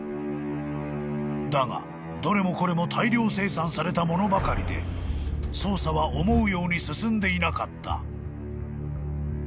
［だがどれもこれも大量生産されたものばかりで捜査は思うように進んでいなかった］